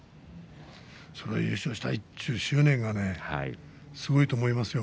優勝したいという執念がすごいと思いますよ